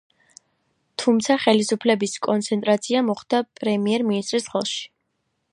თუმცა ხელისუფლების კონცენტრაცია მოხდა პრემიერ-მინისტრის ხელში.